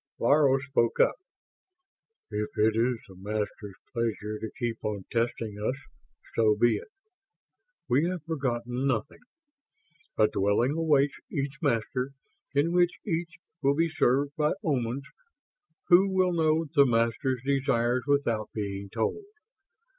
Laro spoke up. "If it is the Masters' pleasure to keep on testing us, so be it. We have forgotten nothing. A dwelling awaits each Master, in which each will be served by Omans who will know the Master's desires without being told.